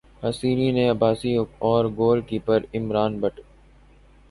حسینی نے عباسی اور goalkeeper Imran but